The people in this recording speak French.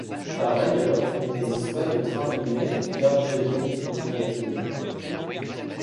Par ailleurs, il n'existe pas de train nommé Darjeeling Limited.